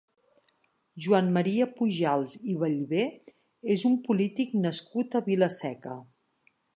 Joan Maria Pujals i Vallvé és un polític nascut a Vila-seca.